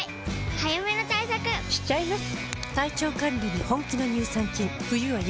早めの対策しちゃいます。